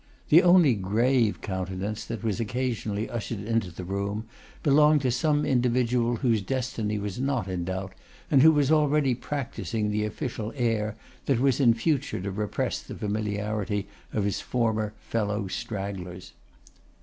The only grave countenance that was occasionally ushered into the room belonged to some individual whose destiny was not in doubt, and who was already practising the official air that was in future to repress the familiarity of his former fellow stragglers.